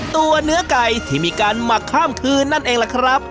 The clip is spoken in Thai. ตัวเนื้อไก่ที่มีการหมักข้ามคืนนั่นเองล่ะครับ